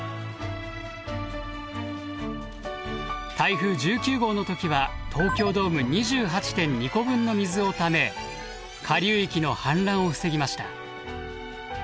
台風１９号の時は東京ドーム２８．２個分の水をため下流域の氾濫を防ぎました。